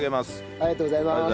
ありがとうございます。